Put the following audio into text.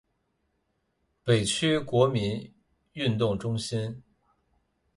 北区国民运动中心